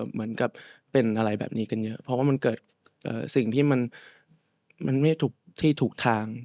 เหมือนกับเป็นอะไรแบบนี้กันเยอะเพราะว่ามันเกิดสิ่งที่มันไม่ถูกที่ถูกทาง